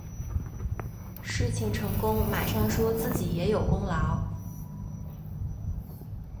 事情成功马上说自己也有功劳